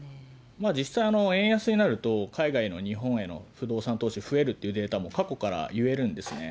実際、円安になると、海外の日本への不動産投資は増えるっていうデータも過去からもいえるんですね。